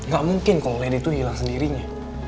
gak mungkin kalo lady tuh hilang sendirinya